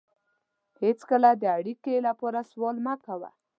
هېڅکله د اړیکې لپاره سوال مه کوه.